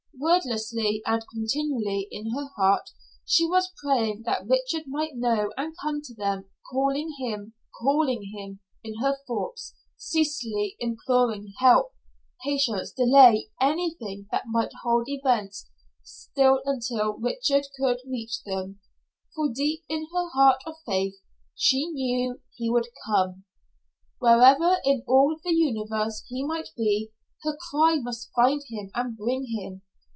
Wordlessly and continually in her heart she was praying that Richard might know and come to them, calling him, calling him, in her thoughts ceaselessly imploring help, patience, delay, anything that might hold events still until Richard could reach them, for deep in her heart of faith she knew he would come. Wherever in all the universe he might be, her cry must find him and bring him.